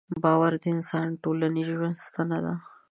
باور د انسان د ټولنیز ژوند ستنه ده.